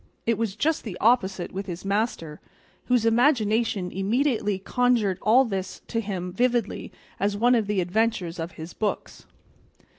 It was just the opposite with his master, whose imagination immediately conjured up all this to him vividly as one of the adventures of his books.